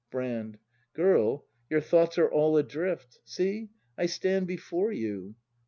Brand. Girl, your thoughts are all adrift; See, I stand before you.